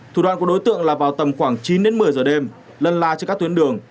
thủ đoạn của đối tượng là vào tầm khoảng chín đến một mươi giờ đêm lân la trên các tuyến đường